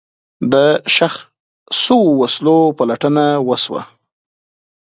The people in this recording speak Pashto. د ښخ شوو وسلو پلټنه وشوه.